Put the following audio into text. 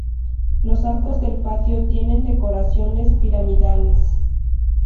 Los arcos del patio tienen decoraciones piramidales.